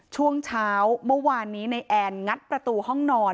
ช่วงเช้าเมื่อวานนี้ในแอนงัดประตูห้องนอน